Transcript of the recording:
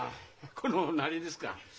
このなりですか。